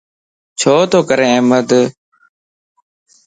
ڇو تو ڪري احمد؟